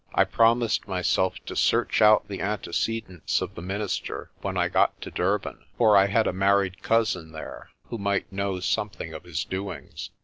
I promised myself to search out the antecedents of the minister when I got to Durban, for I had a married cousin there, who might know something of his doings.